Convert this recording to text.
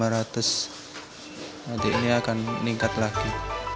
rp enam lima ratus nanti ini akan meningkat lagi